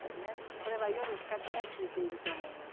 これは「夜深き」が効いていると思います。